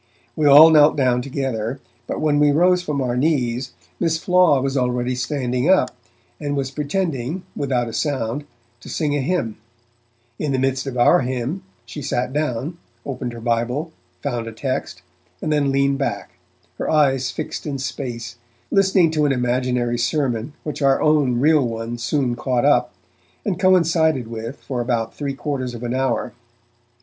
We all knelt down together, but when we rose from our knees, Miss Flaw was already standing up, and was pretending, without a sound, to sing a hymn; in the midst of our hymn, she sat down, opened her Bible, found a text, and then leaned back, her eyes fixed in space, listening to an imaginary sermon which our own real one soon caught up, and coincided with for about three quarters of an hour.